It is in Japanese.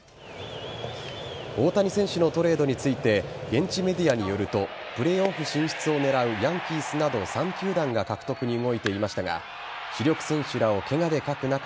大谷選手のトレードについて現地メディアによるとプレーオフ進出を狙うヤンキースなど３球団が獲得に動いていましたが主力選手らをケガで欠く中